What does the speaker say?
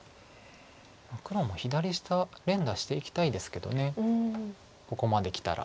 黒も左下連打していきたいですけどここまできたら。